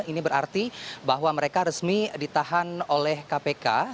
ini berarti bahwa mereka resmi ditahan oleh kpk